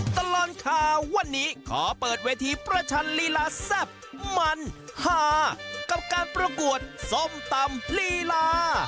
ตลอดข่าววันนี้ขอเปิดเวทีประชันลีลาแซ่บมันหากับการประกวดส้มตำลีลา